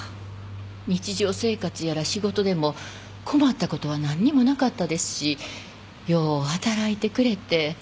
日常生活やら仕事でも困ったことは何にもなかったですしよう働いてくれて。